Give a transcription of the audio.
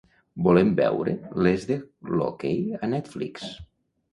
Volem veure "Les de l'hoquei" a Netflix.